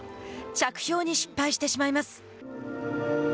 着氷に失敗してしまいます。